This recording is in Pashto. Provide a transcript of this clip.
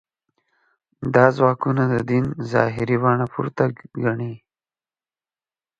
دا ځواکونه د دین ظاهري بڼه پورته ګڼي.